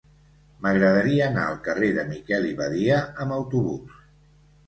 M'agradaria anar al carrer de Miquel i Badia amb autobús.